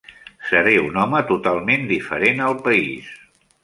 Seré un home totalment diferent al país.